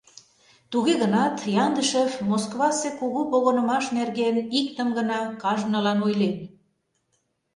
Туге гынат Яндышев Москвасе кугу погынымаш нерген иктым гына кажнылан ойлен: